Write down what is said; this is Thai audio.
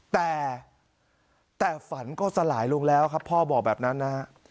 แต่แต่ฝันก็สลายลงแล้วครับพ่อบอกแบบนั้นนะฮะ